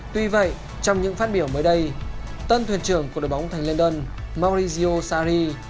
tuy vậy trong những phát biểu mới đây tân thuyền trưởng của đội bóng thành london maurizio sarri